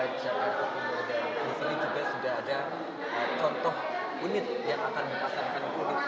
ini sejak pagi saya sudah berada di kelapa village yang terlalu sejak pagi